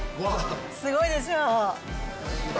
すごいでしょう。